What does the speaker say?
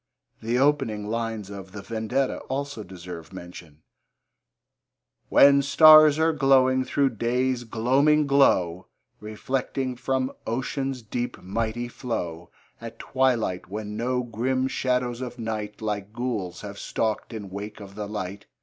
The opening lines of The Vendetta also deserve mention: When stars are glowing through day's gloaming glow, Reflecting from ocean's deep, mighty flow, At twilight, when no grim shadows of night, Like ghouls, have stalked in wake of the light.